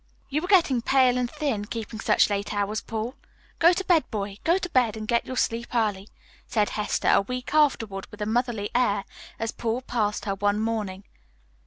"You are getting pale and thin, keeping such late hours, Paul. Go to bed, boy, go to bed, and get your sleep early," said Hester a week afterward, with a motherly air, as Paul passed her one morning.